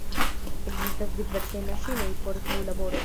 Ekzistas diversaj maŝinoj por tiu laboro.